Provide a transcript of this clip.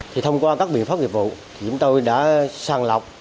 thì thông qua các biện pháp nghiệp vụ thì chúng tôi đã sàng lọc